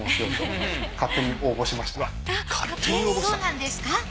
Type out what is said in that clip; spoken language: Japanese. そうなんですか？